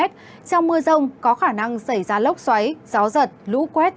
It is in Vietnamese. trong mưa rông có khả năng xảy ra lốc xoáy gió giật lũ quét